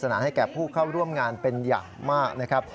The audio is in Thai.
นานให้แก่ผู้เข้าร่วมงานเป็นอย่างมากนะครับ